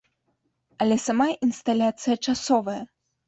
Але сама інсталяцыя часовая.